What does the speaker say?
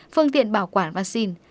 phương tiện bảo quản vaccine